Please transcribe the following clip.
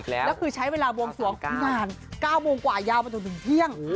แล้วคือใช้เวลาบวงสวงนาน๙โมงกว่ายาวมาจนถึงเที่ยง